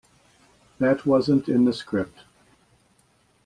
That wasn't in the script.